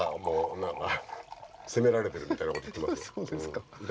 責められてるみたいなこと言ってますよ。